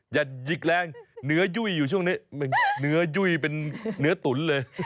อย่ายิกแรงเนื้อยุ่ช่วงนี้เนื้อยุ่เป็นเนื้อตุ๋นเลย